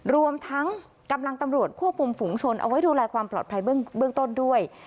รวมทั้งกำลังตำรวจควบคุมฝุงชนเอาไว้ดูแลความปลอดภัยเบื้องต้นด้วย